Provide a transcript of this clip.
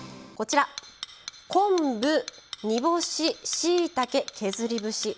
昆布、煮干ししいたけ、削り節